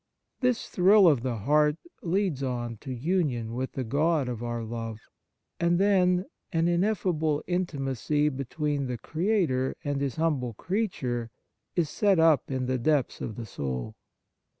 This thrill of the heart leads on to union with the God of our love, and then, an ineffable intimacy between the Creator and His humble creature is set up in the depths of the soul.